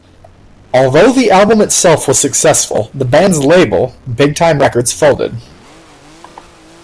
Although the album itself was successful, the band's label, Big Time Records folded.